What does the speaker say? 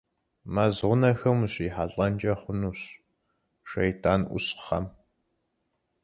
Мэз гъунэхэм ущрихьэлӀэнкӀэ хъунущ шейтӀанӀущхъэм.